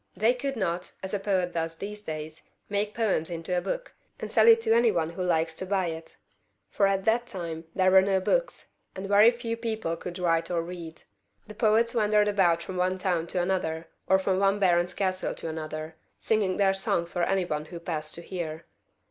They could not, as a poet does in these days, make poems into a book, and sell it to any one who likes to buy it ; for at that time there were no books, and very few people who could write or read. The poets wandered about from one town to another, or from one baron's castle to another, singing their songs for any one who passed to hear.